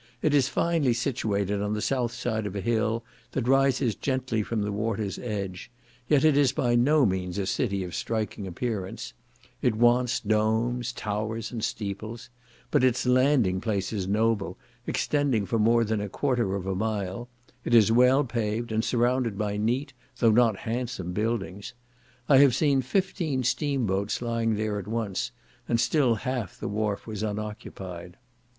It is finely situated on the south side of a hill that rises gently from the water's edge; yet it is by no means a city of striking appearance; it wants domes, towers, and steeples; but its landing place is noble, extending for more than a quarter of a mile; it is well paved, and surrounded by neat, though not handsome buildings. I have seen fifteen steam boats lying there at once, and still half the wharf was unoccupied.